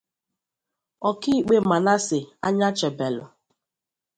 Ọkaikpe Manasseh Anyachebelu